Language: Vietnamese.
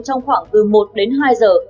trong khoảng từ một đến hai giờ